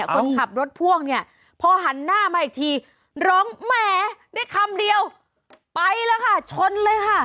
คนขับรถพ่วงเนี่ยพอหันหน้ามาอีกทีร้องแหมได้คำเดียวไปแล้วค่ะชนเลยค่ะ